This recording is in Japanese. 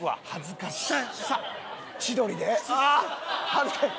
ああ恥ずかしい！